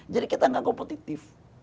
jadi kita nggak kompetitif